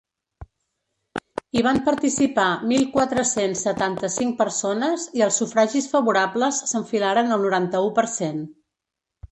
Hi van participar mil quatre-cents setanta-cinc persones i els sufragis favorables s’enfilaren al noranta-u per cent.